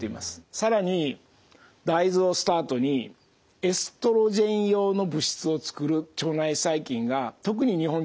更に大豆をスタートにエストロゲン様の物質を作る腸内細菌が特に日本人に多いんですね。